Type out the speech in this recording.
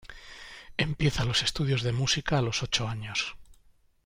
Empieza los estudios de Música a los ocho años.